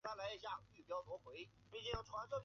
殿试登进士第二甲第八十二名。